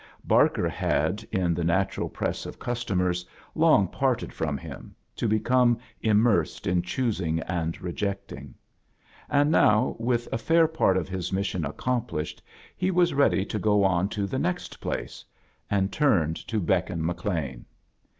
Barker had, in the natu ral press of customers, long parted from him, to become immersed in choosing and rejecting; and now, with a fair part of his mission accomplished, he was ready to go on to the next place, and turned to beckon McLean.